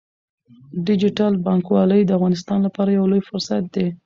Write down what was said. ډیجیټل بانکوالي د افغانستان لپاره یو لوی فرصت دی۔